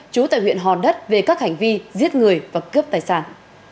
chú tại huyện hòn đất về các hành vi giết người và cướp tài sản